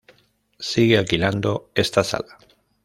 Sigue alquilando esta sala.